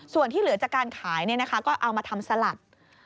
ส่วนที่เหลือจากการขายก็เอามาทำสลัด